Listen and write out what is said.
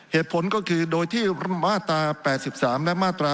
เหตุผลก็คือโดยที่มาตรา๘๓และมาตรา